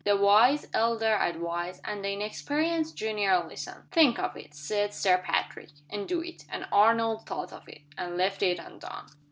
The wise elder advised and the inexperienced junior listened. "Think of it," said Sir Patrick; "and do it." And Arnold thought of it and left it undone.